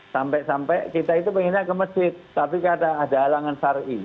sampai sampai kita itu pengennya ke masjid tapi kata ada halangan syari'i